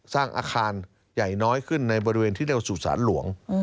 สร้างอาคารใหญ่น้อยขึ้นในบริเวณที่เรียกว่าสู่สารหลวง